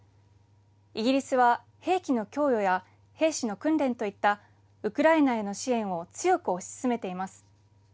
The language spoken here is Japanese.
イギリスは、兵器の供与や兵士の訓練といったウクライナへの支援を強く推し進めています。